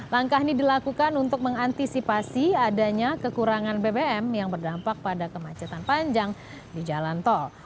langkah ini dilakukan untuk mengantisipasi adanya kekurangan bbm yang berdampak pada kemacetan panjang di jalan tol